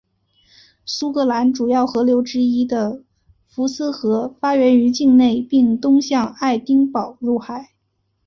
苏格兰主要河流之一的福斯河发源于境内并东向爱丁堡入海。